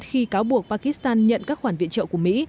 khi cáo buộc pakistan nhận các khoản viện trợ của mỹ